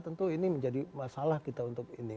tentu ini menjadi masalah kita untuk ini